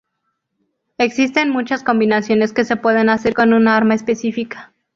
Existen muchas combinaciones que se pueden hacer con un arma específica.